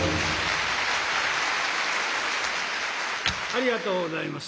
ありがとうございます。